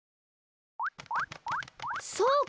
そうか！